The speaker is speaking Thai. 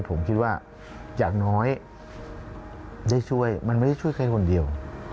ผมคิดว่าอย่างน้อยได้ช่วยมันไม่ได้ช่วยแค่คนเดียว